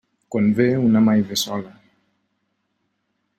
Quan ve, una mai ve sola.